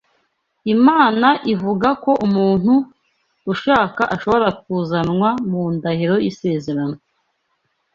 Imana ivuga ko umuntu ushaka ashobora kuzanwa mu ndahiro y’isezerano